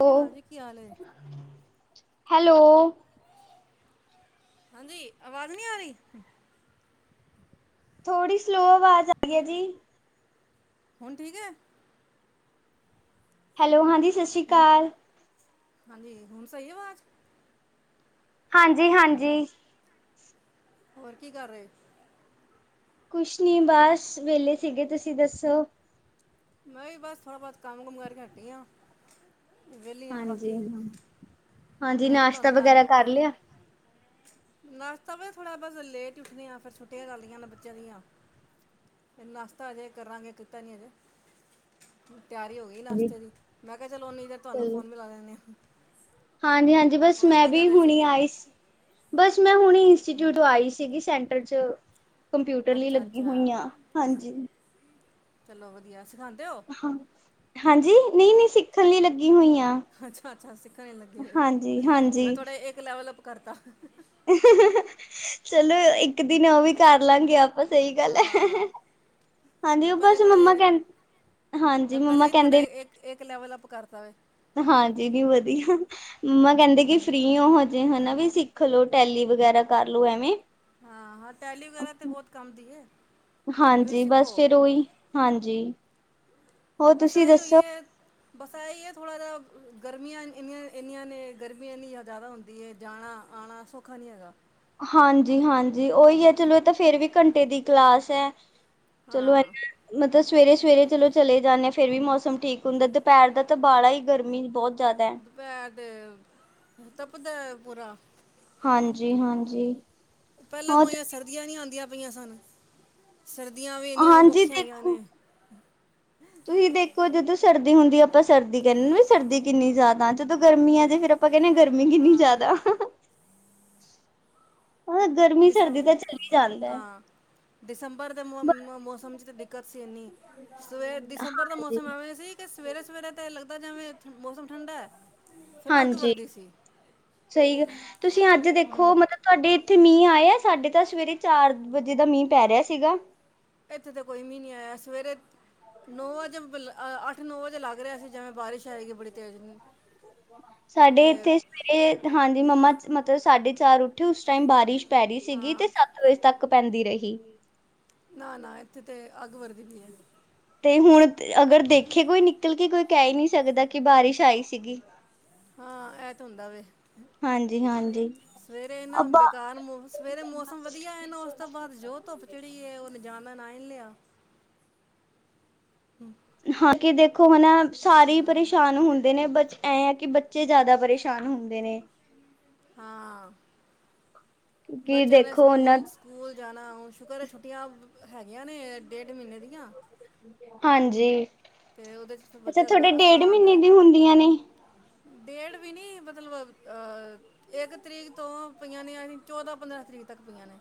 ਸਤਿ ਸ਼੍ਰੀ ਅਕਾਲ ਜੀ ਕੀ ਹਾਲ ਏ ਹੈਲੋ। ਹਾਂਜੀ ਅਵਾਜ਼ ਨੀ ਆ ਰੀ ਥੋੜੀ ਸਲੋਅ ਅਵਾਜ਼ ਆਰੀ ਏ ਜੀ। ਹੁਨ ਠੀਕੈ ਹੈਲੋ, ਹਾਂਜੀ ਸਤਿ ਹੁਨ ਅਕਾਲ। ਹਾਂਜੀ ਹੁਨ ਸਈ ਅਵਾਜ਼ ਹਾਂਜੀ - ਹਾਂਜੀ ਹੋਰ ਕੀ ਕਾਰ ਰੇ ਕੁਛ ਨੀ ਬਾਸ ਵੇਲੇ ਸੀਗੇ ਤੁਸੀਂ ਦੱਸੋ ਮੈਂ ਵੀ ਬਾਸ ਥੋੜਾ ਬੋਤ ਕਾੰਮ ਕੁੰਮ ਕਾਰ ਕੇ ਹਟੀ ਆਂ ਵੇਲੀ ਆਂ ਹਾਂਜੀ ਬਾਕੀ। ਹਾਂ ਹਾਂਜੀ ਮੈਂ ਕੇਆ ਨਾਸ਼ਤਾ ਤੁਆਨੂੰ ਤਾੰਗ ਵਗੈਰਾ ਕਰ ਲਿਆ। ਨਾਸ਼ਤਾ ਵੇ ਥੋੜਾ ਬਾਸ ਲੇਟ ਈ ਉੱਠਨੇ ਆ ਫੇਰ ਛੁੱਟੀਆਂ ਚੱਲਰੀਆਂ ਨੇ ਬੱਚੇਆਂ ਦੀਆਂ। ਨਾਸ਼ਤਾ ਅਜੇ ਕਰਾਂਗੇ ਕੀਤਾ ਨੀ ਅਜੇ ਤੇਆਰੀ ਹੋ ਗੀ ਨਾਸ਼ਤੇ ਦੀ ਮੈਂ ਕੇਆ ਚਲੋ ਓਨੀ ਦੇਰ ਤੁਆਨੂੰ ਚਲੋ ਫੋਨ ਮਿਲਾ ਲੈਨੇ ਆਂ। ਹਾਂਜੀ - ਹਾਂਜੀ ਬਸ ਮੈਂ ਵੀ ਰਹੇ ਸੀ? ਹੁਣੀ ਆਈ ਸੀ। ਬਸ ਮੈਂ ਹੁਣੀ ਇੰਸਟੀਟਿਊਟੋ ਆਈ ਸੀਗੀ ਸੈਂਟਰ ਚ ਕੰਪਿਊਟਰ ਲਈ ਅੱਛਾ ਲੱਗੀ ਅੱਛਾ ਹੋਈਆਂ ਹਾਂਜੀ। ਚਲੋ ਵਧੀਆ ਸਿਖਾਂਦੇ ਓ ਹਾਂਜੀ ਨਹੀਂ -ਨਹੀਂ ਸਿੱਖਣ ਲਈ ਲੱਗੀ ਹੋਈਆਂ। ਅੱਛਾ -ਅੱਛਾ ਸਿੱਖਣ ਲਈ ਲੱਗੇ ਹੋਏ ਓ ਮੈਂ ਹਾਂਜੀ ਤੂਆਡਾ ਏੱਕ ਲੈਵਲ ਅੱਪ ਕਰਤਾ। ਚਲੋ ਇੱਕ ਦਿਨ ਓ ਵੀ ਕਾਰ ਲਾਂਗੇ ਅੱਪ ਸਈ ਗੱਲ ਏ। ਹਾਂ ਹਾਂਜੀ, ਮੈਂ ਓ ਪਹਿਲੇ ਬਸ ਥੋੜ੍ਹਾ ਮੰਮਾ ਕੈਂਨ, ਹਾਂਜੀ ਮੰਮਾ ਕੈੰਦੇ ਏਕ ਲੈਵਲ ਅੱਪ ਕਰਤਾ ਵੇ। ਹਾਂ ਜੀ, ਜੀ ਵਦੀਆ। ਮੰਮਾ ਕੈਂਦੇ ਕਿ ਹੂੰ ਫ੍ਰੀ ਓ ਹਜੇ, ਹਨਾ ਵੀ ਸਿੱਖ ਲੋ, ਟੈਲੀ ਵਗੈਰਾ ਕਰਲੋ ਐਵੇਂ। ਹਾਂ- ਹਾਂ ਟੈਲੀ ਵਗੈਰਾ ਤੇ ਬੋਤ ਕੰਮ ਦੀ ਐ, ਤੂਸੀ ਹਾਂਜੀ ਬਸ ਸਿੱਖੋ। ਫੇਰ ਉਹੀ ਹਾਂਜੀ। ਹੋਰ ਬਸ ਤੁਸੀਂ ਐਈ ਓ ਦੱਸੋ ਐ। ਬਸ ਐ ਈ ਐ ਥੋੜਾ ਜਾ, ਗਰਮੀਆਂ ਇਨ ਇੰਨੀਆਂ ਨੇ, ਗਰਮੀ ਐਨੀ ਜਾਦਾ ਹੁੰਦੀ ਐ ਜਾਣਾ, ਆਣਾ ਸੌਖਾੱ ਨੀ ਹੈਗਾ। ਹਾਂਜੀ- ਹਾਂਜੀ ਓਈ ਏ, ਚਲੋ ਏ ਤੇ ਫੇਰ ਵੀ ਘੰਟੇ ਦੀ ਕਲਾਸ ਐ। ਚਲੋ ਐ ਹਾਂ ਮਤਲਬ ਸਵੇਰੇ, -ਸਵੇਰੇ ਚਲੋ ਚਲੇ ਜਾਂਨੇ ਆਂ, ਫੇਰ ਵੀ ਮੌਸਮ ਠੀਕ ਹੁੰਦੈ, ਦੂਪੈਹਰ ਦਾ ਤੇ ਬ਼ਾਲਾ ਈ ਗਰਮੀ ਬੋਤ ਜਾਦੈ। ਦੂਪੈਰ ਦੇ ਤਪਦੈ ਪੂਰਾ। ਹਾਂਜੀ- ਹਾਂਜੀ। ਪੈਹਲਾਂ ਹੋਰ ਮੋਈਆਂ ਸਰਦੀਆਂ ਨੀ ਆਂਦੀਆਂ ਪਈਆਂ ਸਨ, ਸਰਦੀਆਂ ਵੀ ਇੰਨੀਆਂ ਹਾਂਜੀ ਔਖੀਆਂ ਆਈਆਂ ਨੇ। ਤੂਹੀ ਦੇਖੋ ਜਦੋਂ ਸਰਦੀ ਹੁੰਦੀ ਅਪਾਂ ਸਰਦੀ ਕੈਂਨੇ ਨ, ਸਰਦੀ ਕਿੰਨੀ ਜਾ਼ਦਾ ਜਦੋਂ ਗਰਮੀ ਆਜੇ ਫੇਰ ਅਪ ਆਪਾਂ ਕੈਨੇ ਗਰਮੀ ਕਿੰਨੀ ਹਾਂ ਜਾਦਾ। ਗਰਮੀ, ਸਰਦੀ ਤਾ ਚੱਲੀ ਜਾਂਦੈ। ਦਿਸੰਬਰ ਦੇ ਮੌ, ਮੌਸਮ ਚ ਤੇ ਦਿੱਕਤ ਸੀ ਇੰਨੀ ਸਵੇਰ ਦਿਸੰਬਰ ਦਾ ਹਾਂਜੀ ਮੌਸਮ ਐਵੇਂ ਸੀ, ਕਿ ਸਵੇਰੇ-ਸਵੇਰੇ ਤੇ ਲੱਗਦੈ, ਜੈਵੇਂ ਮੌਸਮ ਠੰਡੈ। ਹਾਂਜੀ, ਸਹੀ ਗ, ਤੂਸੀ ਅੱਜ ਦੇਖੋ ਹੂੰ ਮਤਬ ਤੂਆਡੇ ਏਥੇ ਮੀਂਹ ਆਇਆ? ਸਾਡੇ ਤਾਂ ਸਵੇਰੇ ਚਾਰ ਵਜੇ ਦਾ ਮੀਂਹ ਪੈ ਰਿਆ ਸੀਗਾ। ਏਥੇ ਤੇ ਕੋਈ ਮੀਂਹ ਨਹੀਂ ਆਇਆ, ਸਵੇਰੇ ਨੌ ਵਜੇ, ਬਲ ਅਠ-ਨੌ ਵਜੇ ਲਗ ਰਿਹਾ ਸੀ। ਜਿਵੇਂ ਬਾਰਿਸ਼ ਆਏਗੀ ਬੜੀ ਤੇਜ, ਤੇ ਮੇਰੇ ਹਾਂਜੀ, ਮੰਮਾ ਮਤਲਬ ਸਾਡੇ ਚਾਰ ਉਠੇ, ਉਸ ਟਾਈਮ ਬਾਰਿਸ਼ ਪੈ ਰੀ ਸੀਗੀ ਹਾਂ ਤੇ, ਸਤ ਵਜੇ ਤਕ ਪੈਂਦੀ ਰਹੀ। ਨਾ-ਨਾ ਇੱਥੇ ਤੇ ਅੱਗ ਵੱਰਦੀ ਵੀ ਏ। ਤੇ ਹੁਣ ਅਗਰ ਦੇਖੇ ਕੋਈ ਨਿਕਲ ਕੇ ਕੋਈ ਕਹਿ ਹੀ ਨਹੀਂ ਸਕਦਾ ਕਿ ਬਾਰਿਸ਼ ਆਈ ਸੀਗੀ। ਹਾਂ, ਇਹ ਤੇ ਹੁੰਦਾ ਵੇ। ਹਾਂਜੀ ਹਾਂਜੀ ਸਵੇਰੇ ਏਨਾ ਅੱਬਾ ਬੇਕਾਰ ਮੋਸਮ ਸਵੇਰੇ ਮੌਸਮ ਵਧੀਆ ਏਨਾ ਉਸ ਤੋਂ ਬਾਅਦ ਜੋ ਧੁੱਪ ਚੜੀ ਏ,। ਉਹਨੇ ਜਾਣਦਾ ਨਾ ਹੀ ਨਹੀਂ ਲਿਆ। ਹਾਂ, ਕਿ ਦੇਖੋ ਹਨਾ ਸਾਰੇ ਹੀ ਹੂੰ ਪਰੇਸ਼ਾਨ ਹੁੰਦੇ ਨੇ ਬ ਐ ਆ ਕਿ ਬੱਚੇ ਜ਼ਿਆਦਾ ਪਰੇਸ਼ਾਨ ਹੁੰਦੇ ਨੇ। ਹਾਂ। ਕਿ। ਬੱਚਿਆਂ ਨੇ ਸਕੂਲ-ਸਕੂਲ ਜਾਣਾ, ਸ਼ੁਕਰ ਏ ਛੁੱਟੀਆਂ ਹੈਗੀਆਂ ਨੇ ਡੇਢ ਮਹੀਨੇ ਦੀਆਂ। ਹਾਂਜੀ, ਤੇ ਉਹਦੇ ਚ ਅੱਛਾ ਬੱਚਾ ਤੁਹਾਡੇ ਥੋੜਾ ਅਸਾਂ ਡੇਢ ਆਂਦਾ ਮਹੀਨੇ ਹੈ। ਦੀ ਹੁੰਦੀਆਂ ਨੇ? ਡੇਢ ਵੀ ਨਹੀਂ ਮਤਲਬ ਇੱਕ ਤਰੀਕ ਤੋਂ ਪਈਆਂ ਨੇ ਐਵੀ ਚੌਦਾਂ ਪੰਦਰਾਂ ਤਰੀਕ ਤੱਕ ਪਈਆਂ ਨੇ।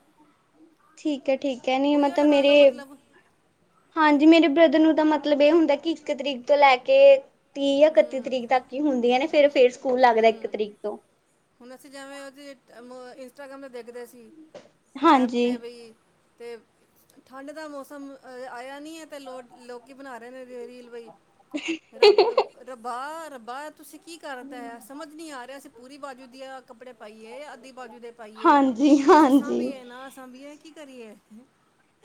ਠੀਕ ਹੈ -ਠੀਕ ਹੈ ਨੀ ਉਹੀਓ ਮਤਲਬ ਲਗਾ ਲਓ ਮੇਰੇ ਮਤਲਬ ਹਾਂਜੀ, ਮੇਰੇ ਬ੍ਰਦਰ ਨੂੰ ਤਾਂ ਮਤਲਬ ਇਹ ਹੁੰਦਾ ਕਿ ਇੱਕ ਤਰੀਕ ਤੋਂ ਲੈ ਕੇ ਤੀਹ ਜਾਂ ਇਕੱਤੀ ਹੂੰ ਤਰੀਕ ਤੱਕ ਹੀ ਹੁੰਦੀਆਂ ਨੇ, ਫੇਰ -ਫੇਰ ਸਕੂਲ ਲੱਗਦਾ ਇੱਕ ਹੂੰ ਤਰੀਕ ਤੋਂ। ਹੁਣ ਅਸੀਂ ਜਿਵੇਂ ਉਹਦੀ ਮ ਇੰਸਟਾਗ੍ਰਾਮ 'ਤੇ ਦੇਖਦੇ ਸੀ ਐਪ ਹਾਂਜੀ 'ਤੇ ਵੀਈ ਤੇ ਠੰਡ ਦਾ ਮੌਸਮ ਆਇਆ ਨਹੀਂ ਹੈ ਅਤੇ ਲੋਕ ਲੋਕੀ ਬਣਾ ਰਹੇ ਨੇ ਰੀਲ। ਬਈ, ਰਬ ਰੱਬਾ- ਰੱਬਾ ਤੁਸੀਂ ਕੀ ਕਰ ਤਾਂ ਸਮਝ ਨਹੀਂ ਆ ਰਿਹਾ ਅਸੀਂ ਪੂਰੀ ਬਾਜੂ ਦੇ ਕੱਪੜੇ ਪਾਈਏ ਅੱਧੀ ਬਾਜੂ ਦੇ ਪਾਈਏ। ਹਾਂਜੀ ਅਸੀਂ ਹਾਂਜੀ ਸਾਂਭੀਏ ਨਾ ਸਾਂਭੀਏ ਕੀ ਕਰੀਏ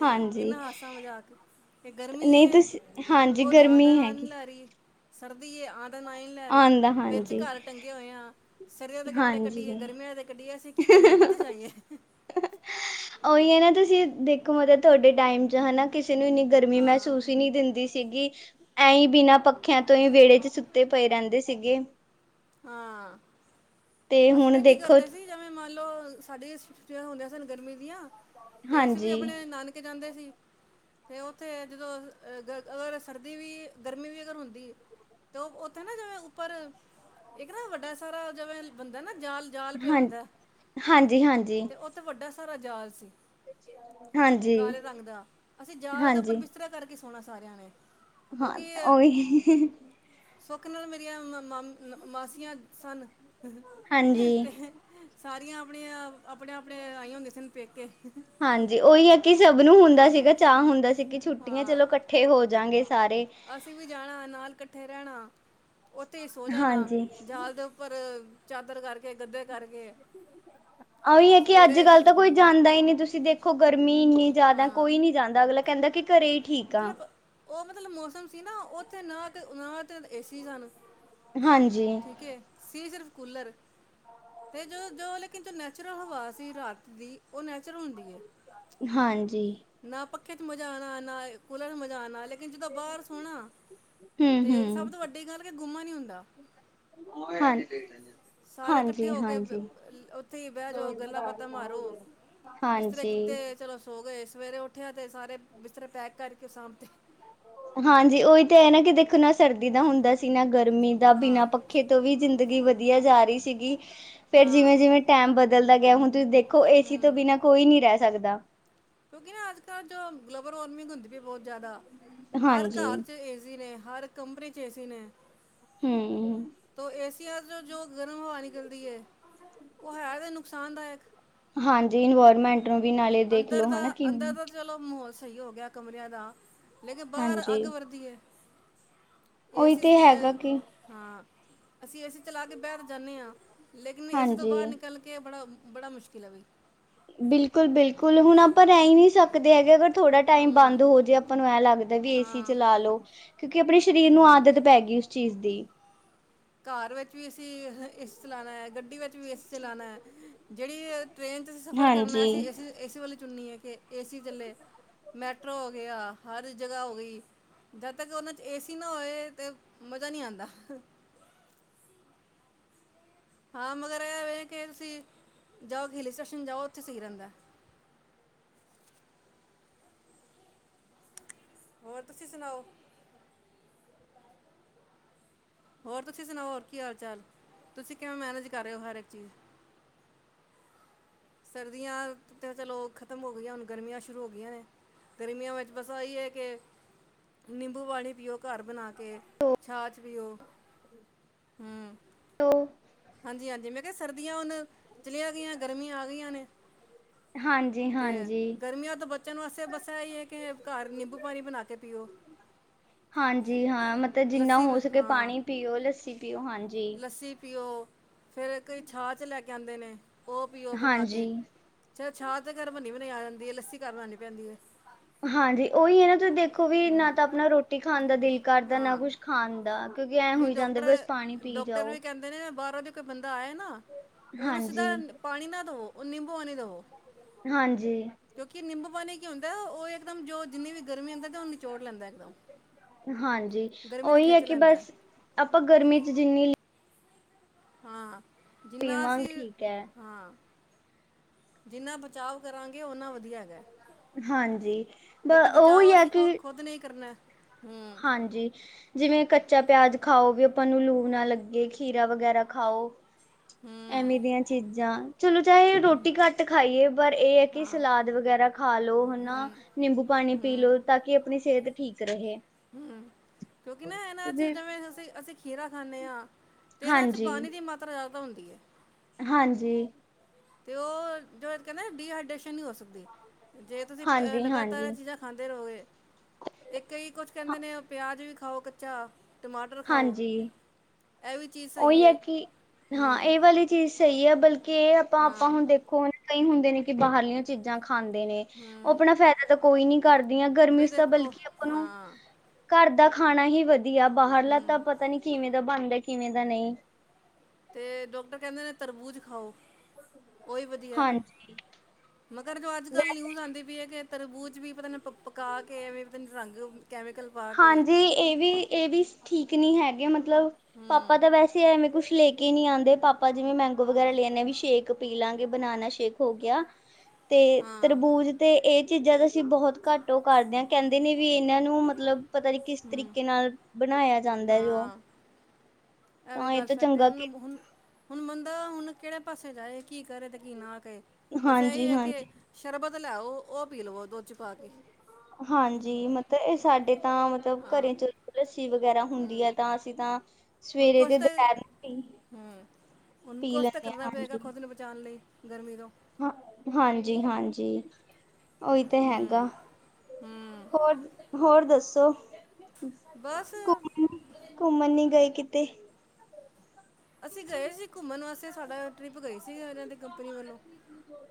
ਹਾਂਜੀ ਇਹਨਾ ਹਾਸਾ ਮਜਾਕ ਅਤੇ ਗਰਮੀ ਨਹੀਂ ਇਹ ਹੈ ਤੁਸੀਂ ਹਾਂਜੀ ਉਹ ਜਾਣ ਗਰਮੀ ਦਾ ਨਾ ਨਹੀਂ ਹੈਗੀ ਲੈ ਰਹੀ। ਸਰਦੀ ਇਹ ਆਧਨ ਆ ਹੀ ਨਹੀਂ ਲੈ ਰਹੀ। ਆਉਂਦਾ ਹਾਂਜੀ ਕੇ ਟੰਗੇ ਹੋਏ ਆਾਂ ਸਰਦੀਆਂ ਦੇ ਕੱਪੜੇ ਕੱਢ ਹਾਂਜੀ ਗਰਮੀਆਂ ਦੇ ਕੱਢੀਏ ਅਸੀਂ ਕੀ ਕਰੀਏ ਕਿੱਥੇ ਜਾਈਏ। ਉਹੀ ਹੈ ਨਾ ਤੁਸੀਂ ਦੇਖੋ ਮਤਲਬ ਤੁਹਾਡੇ ਟਾਈਮ ਚ ਹਨਾ ਕਿਸੇ ਨੂੰ ਨ ਗਰਮੀ ਹਾਂ ਮਹਿਸੂਸ ਹੀ ਨਹੀਂ ਦਿੰਦੀ ਸੀ ਸੀਗੀ ਐਹੀ ਬਿਨਾਂ ਪੱਖਿਆਂ ਤੋਂ ਹੀ ਵਿਹੜੇ ਚ ਸੁੱਤੇ ਪਏ ਰਹਿੰਦੇ ਸੀਗੇ। ਹਾਂ ਤੇ ਅਸੀਂ ਹੁਣ ਤਾਂ ਕੀ ਦੇਖੋ ਕਰਦੇ ਸੀ ਜਿਵੇਂ ਮੰਨ ਲੋਓ ਸਾਡੀੇ ਛੁੱਟੀਆਂ ਹੁੰਦੀਆਂ ਸਨ ਗਰਮੀ ਦੀਆਂ ਤੇ ਅਸੀਂ ਵੀ ਹਾਂਜੀ ਆਪਣੇ ਨਾਨਕ ਜਾਂਦੇ ਸੀ। ਅਤੇ ਉੱਥੇ ਜਦੋਂ ਅਗਰ ਸਰਦੀ ਵੀ ਗਰਮੀ ਵੀ ਅਗਰ ਹੁੰਦੀ ਤੇ ਉੱਥੇ ਨਾ ਜਿਵੇਂ ਉੱਪਰ ਇੱਕ ਨਾ ਵੱਡਾ ਸਾਰਾ ਜਿਵੇਂ ਬੰਦਾ ਨਾ ਜਾਲ ਜਾਲ ਹਾਂ ਪਿਆਉਂਦਾ ਹਾਂਜੀ ਹਾਂਜੀ ਤੇੇ ਵੱਡਾ ਸਾਰਾ ਜਾਲ ਸੀ। ਹਾਂਜੀ ਕਾਲੇ ਰੰਗ ਦਾ ਅਸੀਂ ਜਾਲ ਦੇ ਉੱਪਰ ਹਾਂਜੀ ਬਿਸਤਰਾ ਕਰਕੇ ਸੋਣਾ ਸਾਰਿਆਂ ਨੇ‌। ਹਾਂ ਓਹੀ ਸੁੱਖ ਨਾਲ ਮੇਰੀਆਂ ਮਾਸੀਆਂ ਸਨ ਹਾਂਜੀ ਤੇ ਸਾਰੀਆਂ ਆਪਣੀਆਂ ਆਪਣੇ ਆਪਣੇ ਆਈਆਂ ਹੁੰਦੀਆਂ ਸਨ ਪੇਕੇ ਹਾਂਜੀ ਉਹੀ ਹੈ ਕਿ ਸਭ ਨੂੰ ਹੁੰਦਾ ਹਾਂ ਸੀਗਾ ਚਾਅ ਹੁੰਦਾ ਸੀ ਕਿ ਛੁੱਟੀਆਂ ਹਾਂ ਚਲੋ ਇਕੱਠੇ ਹੋ ਜਾਗੇ ਸਾਰੇ। ਅਸੀਂ ਵੀ ਜਾਣਾ ਨਾਲ ਇਕੱਠੇ ਰਹਿਣਾ ਉੱਥੇ ਹੀ ਸੋ ਜਾਣਾ ਹਾਂਜੀ ਜਾਲ ਦੇ ਉ ਪਰ ਚਾਦਰ ਕਰਕੇ, ਗੱਦੇ ਕਰਕੇ ਆਹੀ ਹੈ ਕਿ ਅੱਜ ਸਵੇਰੇ ਜ ਕੱਲ ਤਾਂ ਕੋਈ ਜਾਂਦਾ ਹੀ ਨਹੀਂ ਤੁਸੀਂ ਦੇਖੋ ਗਰਮੀ ਇੰਨੀ ਜ਼ਿਆਦਾ ਹਾਂ ਕੋਈ ਨੀ ਜਾਂਦਾ ਅਗਲਾ ਕਹਿੰਦਾ ਕਿ ਘਰੇ ਠੀਕ ਆ ਮਤਲਬ ਉਹ ਮਤਲਬ ਮੌਸਮ ਸੀ ਨਾ ਉੱਥੇ ਨਾ ਤੇ ਨਾ ਤੇ ਏਸੀ ਸਨ। ਹਾਂਜੀ। ਠੀਕ ਹੈ ਸੀ ਸਿਰਫ਼ ਕੂਲਰ। ਅਤੇ ਜੋ ਜੋ ਲੇਕਨਤ ਨੈਚੁਰਲ ਹਵਾ ਸੀ ਰਾਤ ਦੀ ਉਹ ਨੈਚੁਰਲ ਹੁੰਦੀ ਹੈ। ਹਾਂਜੀ। ਨਾ ਪੱਖੇ ਚ ਮਜਾ ਆਣਾ ਨਾ ਕੂਲਰ ਮਜ਼ਾ ਆਣਾ ਹੇ। ਜਿੱਜ ਦਾਂ ਬਾਹਰ ਸੋਹਣਾ ਹਮ ਤੇ ਸਭ ਹਮ ਤੋਂ ਵੱਡੀ ਗੱਲ ਕਿ ਗੁੰਮਾ ਨੀ ਹੁੰਦਾ। ਹਾਂਜੀ। ਸਾਰੇ ਇਕੱਠੇ ਹੋ ਕੇ ਹਾਂਜੀ ਉੱਥੇ ਹੀ ਬਹਿ ਜਾਓ ਗੱਲਾਂ ਬਾਤਾਂ ਮਾਰੋ। ਬਿਸਤਰੇ ਹਾਂਜੀ ਕਿੱਤੇ ਹ ਚਲੋ ਸੋ ਗਏ, ਸਵੇਰੇ ਉੱਠਿਆ ਤੇ ਸਾਰੇ ਬਿਸਤਰੇ ਪੈਕ ਕਰਕੇ ਸਾਂਭਤੇ। ਹਾਂਜੀ, ਉਹੀ ਤਾਂ ਹੈ ਨਾ ਕਿ ਦੇਖੋ ਨਾ ਸਰਦੀ ਦਾ ਹੁੰਦਾ ਸੀ ਨਾ ਗਰਮੀ ਦਾ ਹਾਂ ਬਿਨਾਂ ਪੱਖੇ ਖੇ ਤੋਂ ਵੀ ਜ਼ਿੰਦਗੀ ਵਧੀਆ ਜਾ ਰਹੀ ਸੀਗੀ। ਫੇਰ ਹਾਂ ਜਿਵੇਂ ਜਿਵੇਂ ਟੈਮ ਬਦਲਦਾ ਗਿਆ ਹੁਣ ਤੁਸੀਂ ਦੇਖ ਕੋ ਏਸੀ ਤੋਂ ਹੂੰ ਬਿਨਾਂ ਕੋਈ ਨਹੀਂ ਰਹਿ ਸਕਦਾ। ਕਿਉਂਕਿ ਨਾ ਅੱਜ ਕੱਲ ਜੋ ਗਲੋਬਲ ਵਾਰਮਿੰਗ ਹੁੰਦੀ ਵੀ ਬਹੁਤ ਜ਼ਿਆਦਾ। ਹਰ ਹਾਂਜੀ ਘਰ ਚ ਏਸੀ ਨੇ, ਹਰ ਕਮਰੇ ਚ ਏਸੀ ਨੇ। ਹਮ ਤ ਏਸੀਆ ਚ ਜੋ ਗਰਮ ਹਵਾ ਨਿਕਲਦੀ ਹੈ ਉਹ ਹੈ ਤੇ ਨੁਕਸਾਨਦਾਇਕ। ਹਾਂਜੀ ਇਨਵਾਇਰਮੈਂਟ ਨੂੰ ਵੀ ਨਾਲੇ ਦੇਖਲੋ, ਅੰਦਰ ਦਾ ਹਨਾ ਅੰਦਰ ਕਿਵੇਂ ਦਾ ਚਲੋ ਮਾਹੌਲ ਸਹੀ ਹੋ ਗਿਆ ਕਮਰਿਆਂ ਦਾ, ਲੇਕਿਨ ਬਾਹਰ ਹਾਂਜੀ ਅੱਗ ਵਧਦੀ ਹੈ। ਇਹ ਉਹੀ ਏਸੀ ਤੇ ਸੀਲ ਹੈਗਾ ਕਿ [unintelligible] ਹਾਂ ਅਸੀਂ ਏਸੀ ਚਲਾ ਕੇ ਬਹਿ ਤੇ ਜਾਂਣੇ ਆਂ ਲੇਕਿਨ ਏਸੀ ਤੋਂ ਹਾਂਜੀ ਬਾਰ ਨਿਕਲ ਕੇ ਤੇ ਬੜਾ-ਬੜਾ ਮੁਸ਼ਕਿਲ ਐ ਵਈ ਬਿਲਕੁਲ-ਬਿਲਕੁਲ ਹੁਣ ਆਪਾਂ ਰੈ ਈ ਨਈ ਸਕਦੇ ਹੈਗੇ ਅਗਰ ਥੋੜਾ ਟਾਈਮ ਬੰਦ ਹੂੰ ਹੋ ਜੇ ਆਪਾਂ ਨੂੰ ਐਂ ਲੱਗਦਾ ਹੈ ਕਿ ਏਸੀ ਹਾਂ ਚਲਾ ਲੋੋ। ਕਿਉਂਕਿ ਆਪਣੇ ਸ਼ਰੀਰ ਨੂੰ ਹੂੰ ਆਦਤ ਪੈ ਗਈ ਉਸ ਚੀਜ਼ ਦੀ ਘਰ ਵਿੱਚ ਵੀ ਅਸੀਂ ਏਸੀ ਚਲਾਣਾ ਗੱਡੀ ਵਿੱਚ ਵੀ ਏਸੀ ਚਲਾਉਣਾ ਜੇੜੀ ਟ੍ਰੇਨ 'ਚ ਅਸੀਂ ਸਫ਼ਰ ਕਰਨਾ ਹੈ ਹਾਂਜੀ ਅਸੀਂ ਏਸੀ-ਏਸੀ ਵਾਲੀ ਚੁਨੀ ਏ ਕਿ ਏਸੀ ਚੱਲੇ। ਮੈਟਰੋ ਹੋ ਗਿਆ ਹਰ ਜਗ੍ਹਾ ਹੋ ਗਈ। ਜਦ ਤੱਕ ਉਹਨਾਂ ਚ ਏਸੀ ਨਾ ਹੋਏ ਤਾਂ ਮਜ਼ਾ ਨਈ ਆਂਦਾ। ਹਾਂ ਮਗਰ ਐ ਵੇਂ ਕਿ ਤੁਸੀਂ ਜਾਓ ਕਿ ਹਿੱਲ ਸਟੇਸ਼ਨ ਜਾਓ ਉੱਥੇ ਸਈ ਰੈਂਦਾ। ਹੋਰ ਤੁਸੀਂ ਸੁਣਾਓ। ਹੋਰ ਤੁਸੀਂ ਸੁਣਾਓ ਹੋਰ ਕੀ ਹਾਲ ਚਾਲ ਤੁਸੀਂ ਕਿਵੇਂ ਮੈਨੇਜ ਕਰ ਰਏ ਹੋ ਹਰ ਇੱਕ ਚੀਜ਼ ਸਰਦੀਆਂ ਤੇ ਚਲੋ ਖ਼ਤਮ ਹੋ ਗਈਆਂ ਹੁਣ ਗਰਮੀਆਂ ਸ਼ੁਰੂ ਹੋ ਗਈਆਂ ਨੇ। ਗਰਮੀਆਂ ਵਿੱਚ ਬਸ ਉਹੀਏ ਕਿ ਨਿੰਬੂ ਪਾਣੀ ਪੀਓ ਘਰ ਬਣਾ ਕੇ ਛਾਛ ਪੀਓ। ਹਾਂਜੀ-ਹਾਂਜੀ ਮੈਂ ਕਿਆ ਸਰਦੀਆਂ ਹੁਣ ਚਲੀਆਂ ਗਈਆਂ ਗਰਮੀਆਂ ਆ ਗਈਆਂ ਨੇ ਹਾਂਜੀ ਤੇ ਹਾਂਜੀ ਗਰਮੀਆਂ ਤੋਂ ਬ ਚਨ ਅਸੇ ਬਸ ਇਹੀ ਐ ਕਿ ਘਰ ਨਿੰਬੂ ਪਾਣੀ ਬਣਾ ਕੇ ਪੀਓ। ਹਾਂਜੀ ਹਾਂ ਮਤਲਬ ਜਿੰਨਾ ਲੱਸੀ ਹੋ ਵੀ- ਸਕੇ ਹਾਂ ਪਾਣੀ ਪੀਓ ਲੱਸੀ ਪੀਓ ਹਾਂਜੀ। ਲੱਸੀ ਪੀਓ ਫਿਰ ਕਈ ਛਾਛ ਲੈ ਕੇ ਆਂਦੇ ਨੇ। ਓ ਪੀਓ ਬਣਾ ਕੇ ਹਾਂਜੀ ਚ ਛਾਛ ਤੇ ਘਰ ਬਨੀ ਬਣਾਈ ਆ ਜਾਂਦੀ ਹੈ ਲੱਸੀ ਘਰ ਬਣਾਣੀ ਪੈਂਦੀ ਏ। ਹਾਂਜੀ ਉਹੀ ਏ ਨਾ ਤੁਸੀਂ ਦੇਖੋ ਵੀ ਨਾ ਤਾਂ ਆਪਣਾ ਰੋਟੀ ਖਾਣ ਦਾ ਦਿਲ ਕਰਦਾ ਨਾ ਹਾਂ ਕੁਛ ਖਾਣ ਦਾ ਕਿਉਂਕਿ ਐਂ ਹੋਈ ਜਾਂਦਾ ਵੀ ਬਸ ਡਾਕਟਰ ਪਾਣੀ ਪੀ ਡਾਕਟਰ ਜਓ। ਵੀ ਕਹਿੰਦੇ ਜੇ ਬਾਰੋਂ ਦੇ ਕੋਈ ਬੰਦਾ ਆਏ ਨਾ ਉਹਨੂੰ ਹਾਂਜੀ ਸਿੱਧਾ ਪਾਣੀ ਨਾ ਦਵੋ ਉਹਨੁ ਨਿੰਬੂ ਪਾਣੀ ਦਵੋ। ਹਾਂਜੀ ਕਿਉਂਕਿ ਨਿੰਬੂ ਪਾਣੀ ਕੀ ਹੁੰਦਾ ਓ ਇੱਕਦਮ ਜੋ ਜਿੰਨੀ ਵੀ ਗਰਮੀ ਹੁੰਦੀ ਤੇ ਓ ਨਿਚੋੜ ਲੈਂਦਾ ਇੱਕਦਮ ਹਾਂਜੀ ਗਰਮੀ ਨੂੰ ਉਹੀ ਹੈ ਖਿੱਚ ਕਿ ਲੈਂਦਾ ਬਸ ਆਪਾਂ ਗਰਮੀ 'ਚ ਜਿੰਨੀ ਹਾਂ ਜਿੰਨਾ ਅਸੀਂ ਪੀਵਾਂਗੇ ਠੀਕ ਹੈ ਹਾਂ। ਜਿੰਨਾ ਬਚਾਵ ਕਰਾਂਗੇ ਉਨਾ ਵਧੀਆ ਹੈਗਾ। ਹਾਂਜੀ ਬ ਕਿਉਂਕਿ ਉਹੀ ਬਚਾਉ ਆ ਅਸੀਂ ਕਿ ਖੁ-ਖੁਦ ਨੇ ਈ ਕਰਨਾ ਹੂੰ। ਹਾਂਜੀ ਜਿਵੇਂ ਕੱਚਾ ਪਿਆਜ ਖਾਓ ਵੀ ਆਪਾਂ ਨੂੰ ਲੂ ਨਾ ਲੱਗੇ ਖੀਰਾ ਵਗੈਰਾ ਖਾਓ। ਹੂੰ ਐਵੇਂ ਦੀਆਂ ਚੀਜ਼ਾਂ ਚਲੋ ਚਾਹੇ ਰੋਟੀ ਘੱਟ ਖਾਈਏ ਪਰ ਇਹ ਐ ਕਿ ਹਾਂ ਸਲਾਦ ਵਗੈਰਾ ਖਾ ਲਓ ਹਨਾ ਨਿੰਬੂ ਪਾਣੀ ਪੀ ਹੂੰ ਲਓ ਤਾਂ ਕਿ ਆਪਣੀ ਸਿਹਤ ਠੀਕ ਰਹੇ। ਹੂੰ ਕਿਉਂਕਿ ਨਾ ਇਹਨਾਂ 'ਚ ਜਿਵੇਂ ਅਸੀਂ-ਅਸੀਂ ਖੀਰਾ ਖਾਂਣੇ ਆਂ। ਤੇ ਇਹਨਾਂ 'ਚ ਹਾਂਜੀ ਪਾਣੀ ਦੀ ਮਾਤਰਾ ਜਾਦਾ ਹੁੰਦੀ ਏ। ਹਾਂਜੀ ਤੇ ਓ ਜੋ ਕੈਂਣੇ ਡੀਹਾਈਡਰੇੇਸ਼ਨ ਨਈ ਹੋ ਸਕਦੀ ਜੇ ਤੁਸੀਂ ਹਾਂਜੀ ਲਗਾਤਾਰ ਇਹ ਹਾਂਜੀ ਚੀਜ਼ਾਂ ਖਾਂਦੇ ਰਹੋਗੇ ਕਈ ਕੁਝ ਕੈਂਦੇ ਨੇ ਪਿਆਜ ਵੀ ਖਾਓ ਕੱਚਾ ਟਮਾਟਰ ਖਾਓ ਹਾਂਜੀ ਐ ਵੀ ਚੀਜ਼ ਸਹੀ ਉਹੀ ਹੈ ਏ ਕਿ ਹਾਂ ਹੂੰ ਏ ਵਲੀ ਚੀਜ਼ ਸਈ ਹੈ ਬਲਕਿ ਇਹ ਆਪਾਂ-ਆਪਾਂ ਹਾਂ ਹੁਣ ਦੇਖੋ ਕਈ ਹੁੰਦੇ ਨੇ ਕਿ ਬਾਹਰਲੀ ਚੀਜ਼ਾਂ ਖਾਂਦੇ ਨੇ ਓ ਹੂੰ ਆਪਣਾ ਫਾਇਦਾ ਤਾਂ ਕੋਈ ਨੀ ਕਰਦੀ ਆਂ ਗਰਮੀ ਬਈ ਚ ਤਾਂ ਦੇਖੋ ਬਲਕਿ ਓਨੂੰ ਹਾਂ ਘਰ ਦਾ ਖਾਨਾ ਹੀ ਵਦੀਆ ਬਾਹਰਲਾ ਤਾਂ ਹੂੰ ਪਤਾ ਨੀ ਕਿਵੇਂ ਦਾ ਬਨਦਾ ਕਿਵੇਂ ਦਾ ਨਈਂ। ਤੇ ਡੋਕਟਰ ਕੈਂਦੇ ਨੇ ਤਰਬੂਜ਼ ਖਾਓ ਓਈ ਵਦੀਆ। ਹਾਂਜੀ ਮਗਰ ਜੋ ਅੱਜ-ਕੱਲ ਵੈਸੇ ਨਿਊਜ਼ ਆਂਦੀ ਪਈ ਐ ਕੇ ਤਰਬੂਜ਼ ਚ ਵੀ ਪਤਾ ਨੀ ਪਕਾ ਕੇ ਐਵੇਂ ਪਤਾ ਨੀ ਰੰਗ ਕੈਮੀਕਲ ਪਾ ਕੇ ਹਾਂਜੀ ਏ ਵੀ ਏ ਵੀ ਠੀਕ ਨੀ ਹੈਗੇ ਮਤਲਬ ਪਾਪਾ ਹੂੰ ਤਾਂ ਵੈਸੇ ਤੇ ਐਵੇਂ ਕੁਛ ਲੈ ਕੇ ਨੀ ਆਂਦੇ ਪਾਪਾ ਜਿਵੇਂ ਮੈਂਗੋ ਵਗੈਰਾ ਲੈ ਆਂਨੇ ਆਂ ਵੀ ਸ਼ੇਕ ਪੀ ਲਾਂਗੇ ਬਨਾਨਾ ਸ਼ੇਕ ਹੋ ਗੇਆ। ਤੇ ਹਾਂ ਤਰਬੂਜ ਤੇ ਏ ਚੀਜ਼ਾਂ ਤਾਂ ਅਸੀਂ ਬਹੋਤ ਘੱਟ ਓ ਕਰਦੇ ਆ ਕੈਂਦੇ ਨੇ ਵੀ ਏਨਾਂ ਨੂੰ ਮਤਲਬ ਪਤਾ ਨੀ ਕਿਸ ਹੂੰ ਤਰੀਕੇ ਨਾਲ ਬਨਾਏਆ ਜਾਂਦਾ ਜੋ ਐ ਵੀ ਤਾਂ ਇਹ ਗੱਲ ਤਾਂ ਫੈਕਟ ਐ ਚੰਗਾ ਓਨਾਂ ਕਿ ਨੂੰ ਹੁਨ ਹੁਨ ਬੰਦਾ ਹੁਨ ਕੇੜੇ ਪਾਸੇ ਜਾਏ ਕੀ ਕਰੇ ਤੇ ਕੀ ਨਾ ਕਰੇ ਬਸ ਐਈ ਹਾਂਜੀ ਐ ਕੇ ਹਾਂਜੀ ਸ਼ਰਬਤ ਲੈ ਆਓ ਓ ਪੀ ਲਵੋ ਦੁੱਧ ਚ ਪਾ ਕੇ। ਹਾਂਜੀ ਮਤਲਬ ਏ ਸਾਡੇ ਤਾਂ ਮਤਲਬ ਹਾਂ ਘਰੇ ਚ ਲੱਸੀ ਵਗੈਰਾ ਹੁੰਦੀ ਐ ਤਾਂ ਅਸੀਂ ਤਾਂ ਹੁਨ ਸਵੇਰੇ ਕੁਛ ਤੇ ਤਾਂ ਦੁਪਹਿਰ ਨੂੰ ਪੀ ਹੂੰ ਹੁਨ ਪੀ ਕੁਛ ਤਾਂ ਲੈਂਦੇ ਕਰਨਾ ਹਾਂ ਪਏਗਾ ਖੁਦ ਨੂੰ ਬ ਚਾਲੇ ਗਰਮੀ ਤੋਂ ਹਾਂਜੀ-ਹਾਂਜੀ, ਓਈ ਤਾਂ ਹੂੰ ਹੈਗਾ। ਹੂੰ ਹੋਰ-ਹੋਰ ਦੱਸੋ ਬਸ ਘੁੰਮਨ ਨੀ ਗਏ ਕਿਤੇ। ਅਸੀਂ ਗਏ ਸੀ ਘੁੰਮਨ ਵਾਸਤੇ ਸਾਡਾ ਟਰਿਪ ਗਈ ਸੀ ਏਨਾਂ ਦੇ ਕੰਪਨੀ ਵੱਲੋਂ,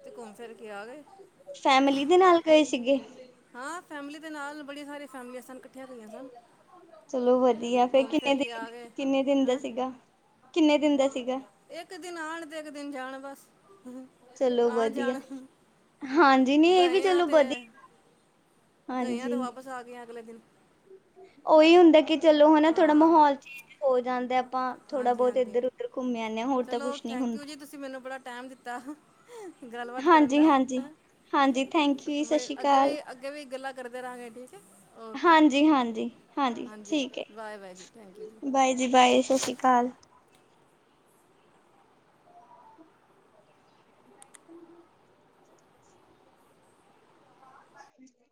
ਤੇ ਘੁੰਮ ਫਿਰ ਕੇ ਆ ਗਏ। ਫੈਮਲੀ ਦੇ ਨਾਲ ਗਏ ਸੀਗੇ। ਹਾਂ ਫੈਮਿਲੀ ਦੇ ਨਾਲ ਬੜੀਆਂ ਸਾਰੀਆਂ ਫੈਮਲੀਆਂ ਸਨ ਕੱਠੀਆਂ ਗਈਆਂ ਸਨ। ਚਲੋ ਤੇ ਵਦੀਆ ਫੇਰ ਘੁੰਮ ਕਿੰਨੇ ਫਿਰ ਕੇ ਦਿਨ, ਆ ਗਏ ਕਿੰਨੇ ਦਿਨ ਦਾ ਹੈਂ ਸੀਗਾ ਕਿੰਨੇ ਦਿਨ ਦਾ ਸੀਗਾ। ਇੱਕ ਦਿਨ ਆਨ ਤੇ ਇੱਕ ਦਿਨ ਜਾਨ ਬਸ ਚਲੋ ਆਨ ਵਧੀਆ ਜਾਨ। ਹਾਂਜੀ ਨਹੀਂ ਇਹ ਵੀ ਗਏ ਆਂ ਚਲੋ ਤੇ ਵਧੀਆ ਗਏ ਆਂ ਹਾਂਜੀ। ਤੇ ਵਾਪਸ ਆ ਗਏ ਆਂ ਅਗਲੇ ਦਿਨ। ਓਈ ਹੁੰਦਾ ਕੇ ਚਲੋ ਹਨਾ ਥੋੜਾ ਹਾਂ ਮਾਹੌਲ ਚੇਂਜ ਹੋ ਜਾਂਦਾ ਆਪਾਂ ਥੋੜਾ ਹਾਂਜੀ ਬੋਤ ਹਾਂਜੀ ਏਦਰ ਓਦਰ ਘੁੰਮੇ ਆਨੇ ਆਂ ਹੋਰ ਤਾਂ ਚਲੋ ਕੁਛ ਨੀ ਥੈਂਕ ਯੂ ਹੁੰਦਾ। ਜੀ ਤੁਸੀਂ ਮੈਨੂੰ ਬੜਾ ਟੈਮ ਦਿੱਤਾ। ਗੱਲਬਾਤ ਕਰਨ ਹਾਂਜੀ ਦਾ, ਹਾਂਜੀ। ਹਾਂਜੀ ਥੈਂਕ ਯੂ ਜੀ ਸਤਿ ਸ਼੍ਰੀ ਅੱਗੇ ਅਕਾਲ ਵੀ ਅੱ ਅੱਗੇ ਵੀ ਗੱਲਾਂ ਕਰਦੇ ਰਹਾਂਗੇ ਠੀਕ ਐ। ਹਾਂਜੀ-ਹਾਂਜੀ-ਹਾਂਜੀ ਠੀਕ ਐ, ਬਾਏ ਬਾਏ ਜੀ ਥੈਂਕ ਯੂ ਬਾਏ ਜੀ ਬਾਏ ਸਸ ਰੀ ਕਾਲ। [inaudible] [inaudible]